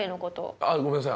あっごめんなさい。